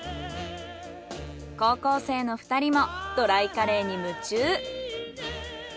高校生の２人もドライカレーに夢中。